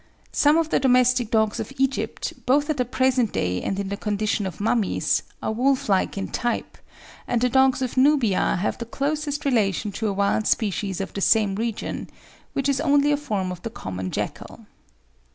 Some of the domestic dogs of Egypt, both at the present day and in the condition of mummies, are wolf like in type, and the dogs of Nubia have the closest relation to a wild species of the same region, which is only a form of the common jackal.